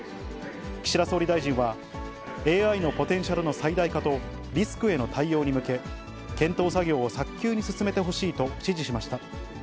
岸田総理大臣は、ＡＩのポテンシャルの最大化とリスクへの対応に向け、検討作業を早急に進めてほしいと指示しました。